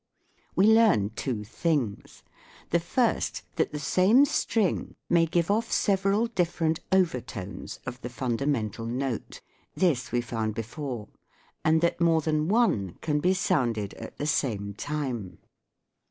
We learn two things : the first, that the same string may give off several different overtones of the funda mental note (this we found before), and that more than one can be sounded at the same time.